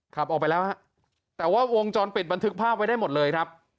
ขับออกไปแล้วฮะแต่ว่าวงจรปิดบันทึกภาพไว้ได้หมดเลยครับ